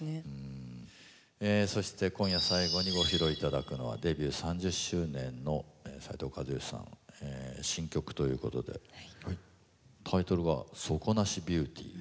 そして今夜最後にご披露いただくのはデビュー３０周年の斉藤和義さん新曲ということでタイトルが「底無しビューティー」。